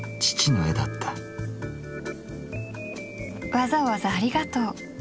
わざわざありがとう。